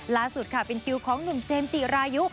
ล่าสุดค่ะเป็นคิวของหนุ่มเจมส์จิรายุ